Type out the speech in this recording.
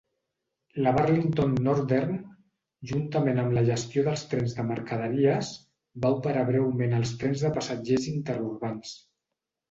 La Burlington Northern, juntament amb la gestió dels trens de mercaderies, va operar breument els trens de passatgers interurbans.